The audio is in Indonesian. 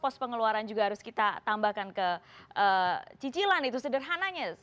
pos pengeluaran juga harus kita tambahkan ke cicilan itu sederhananya